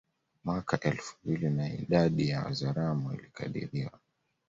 Mwaka elfu mbili na idadi ya Wazaramo ilikadiriwa